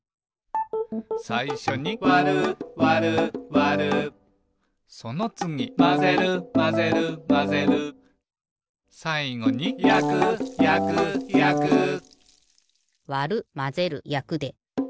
さいしょに「わるわるわる」そのつぎ「まぜるまぜるまぜる」さいごに「やくやくやく」わるまぜるやくで。